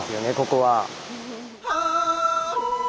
ここは。